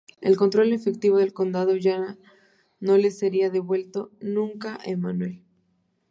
El control efectivo del condado ya no le sería devuelto nunca a Emanuele.